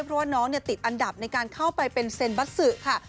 เพราะว่าน้องติดอันดับในการเข้าไปเป็นเซ็นบัสซึค่ะ